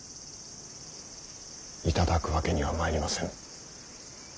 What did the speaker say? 頂くわけにはまいりません。